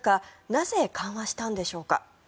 なぜ、緩和したんでしょうか。